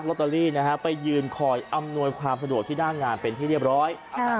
ตเตอรี่นะฮะไปยืนคอยอำนวยความสะดวกที่หน้างานเป็นที่เรียบร้อย